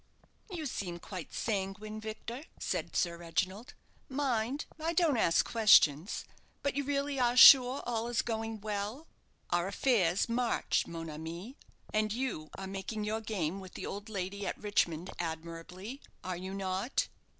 "You seem quite sanguine, Victor," said Sir Reginald. "Mind, I don't ask questions, but you really are sure all is going well?" "Our affairs march, mon ami. And you are making your game with the old lady at Richmond admirably, are you not?"